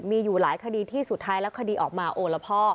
มีอยู่หลายคดีที่สุดท้ายแล้วคดีออกมาโอละพ่อ